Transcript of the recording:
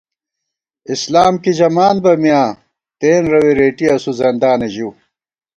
اِسلام کی ژمان بہ میاں تېن رَوے رېٹی اسُو زندانہ ژِؤ